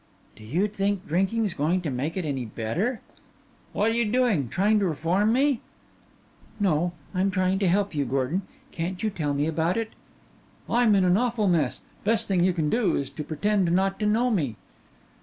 "Do you think drinking's going to make it any better?" "What you doing trying to reform me?" "No; I'm trying to help you, Gordon. Can't you tell me about it?" "I'm in an awful mess. Best thing you can do is to pretend not to know me."